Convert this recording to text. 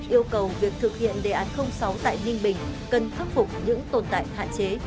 yêu cầu việc thực hiện đề án sáu tại ninh bình cần khắc phục những tồn tại hạn chế